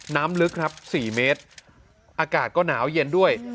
น้ำลึกครับ๔เมตรอากาศก็หนาวเย็นด้วย